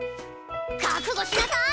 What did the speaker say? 覚悟しなさい！